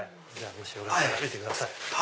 もしよかったら見てください。